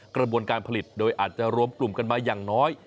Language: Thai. กระบวนการผลิตโดยอาจจะรวมกลุ่มกันมาอย่างน้อย